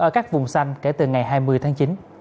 ở các vùng xanh kể từ ngày hai mươi tháng chín